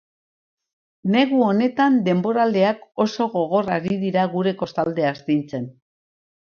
Negu honetan, denboraleak oso gogor ari dira gure kostaldea astintzen.